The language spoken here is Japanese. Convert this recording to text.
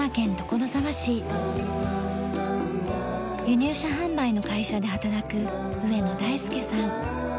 輸入車販売の会社で働く上野大介さん。